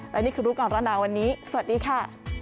และนี่คือรู้ก่อนร้อนหนาวันนี้สวัสดีค่ะ